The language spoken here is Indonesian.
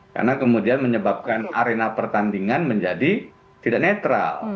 karena kemudian menyebabkan arena pertandingan menjadi tidak netral